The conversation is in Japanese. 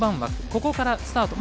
ここからスタート。